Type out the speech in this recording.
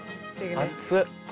熱っ！